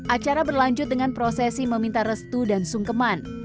acara berlanjut dengan prosesi meminta restu dan sungkeman